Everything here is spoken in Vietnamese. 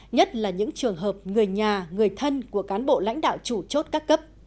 nhất là những trường hợp người nhà người thân của cán bộ lãnh đạo chủ chốt các cấp